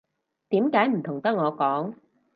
點解唔同得我講